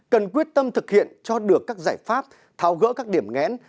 cần quyết tâm thực hiện cho được các giải pháp thao gỡ các điểm ngẽn